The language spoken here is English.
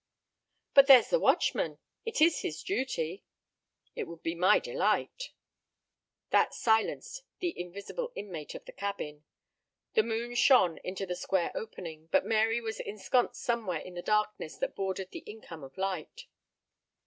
"But there's the watchman. It is his duty." "It would be my delight." That silenced the invisible inmate of the cabin. The moon shone into the square opening, but Mary was ensconced somewhere in the darkness that bordered the income of light.